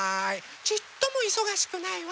ちっともいそがしくないわ。